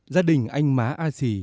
gia đình anh má a xì